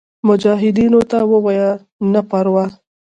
مجاهدینو ته ووایه نه پروا.